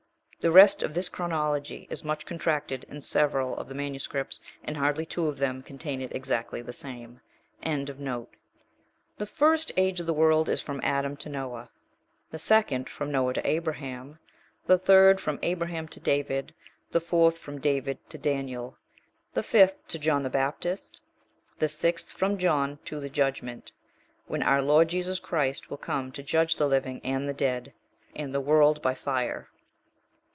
The rest of this chronology is much contracted in several of the manuscripts, and hardly two of them contain it exactly the same. 6. The first age of the world is from Adam to Noah; the second from Noah to Abraham; the third from Abraham to David; the fourth from David to Daniel; the fifth to John the Baptist; the sixth from John to the judgment, when our Lord Jesus Christ will come to judge the living and the dead, and the world by fire.